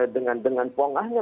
dan dengan pongahnya